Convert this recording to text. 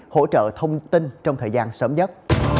hỗ trợ thông tin trong thời gian sớm nhất